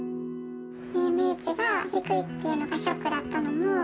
ＡＭＨが低いというのがショックだったのも。